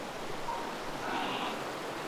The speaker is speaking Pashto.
شاید هستي به له مانا تشیږي